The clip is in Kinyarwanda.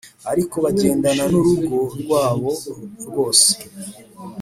ariko bagendana n’urugo rwabo rwose!